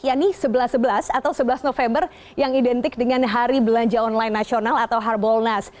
yakni sebelas sebelas atau sebelas november yang identik dengan hari belanja online nasional atau harbolnas